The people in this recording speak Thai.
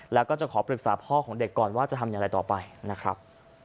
แล้วก็จะขอปรึกษาพ่อของเด็กก่อนว่าจะทำอย่างไรต่อไปนะครับ